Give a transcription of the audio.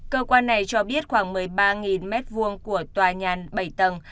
cơ quan này cho biết khoảng một mươi ba m hai của tòa nhà bảy tầng